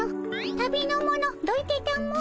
旅の者どいてたも。